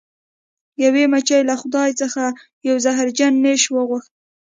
یوې مچۍ له خدای څخه یو زهرجن نیش وغوښت.